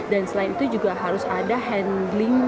dan selain itu juga harus ada handy